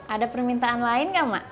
ada permintaan lain nggak mak